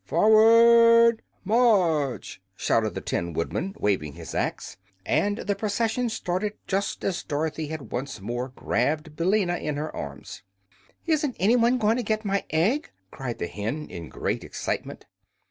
"For ward march!" shouted the Tin Woodman, waving his axe, and the procession started just as Dorothy had once more grabbed Billina in her arms. "Isn't anyone going to get my egg?" cried the hen, in great excitement.